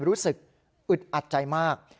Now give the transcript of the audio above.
รู้สึกอึดอัดใจมาก